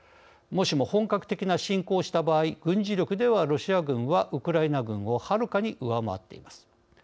もしも本格的な侵攻をした場合軍事力ではロシア軍はウクライナ軍をはるかに上回っています。